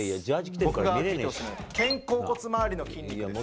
僕が見てほしいのは、肩甲骨周りの筋肉です。